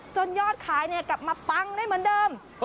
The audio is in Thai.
ยอดขายกลับมาปังได้เหมือนเดิม